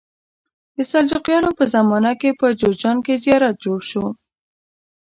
د سلجوقیانو په زمانه کې په جوزجان کې زیارت جوړ شو.